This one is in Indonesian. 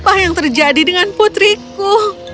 apa yang terjadi dengan putriku